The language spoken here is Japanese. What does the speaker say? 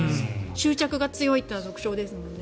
執着が強いというのが特徴ですもんね。